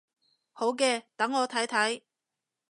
好嘅，等我睇睇